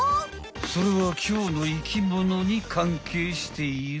それはきょうの生きものにかんけいしている。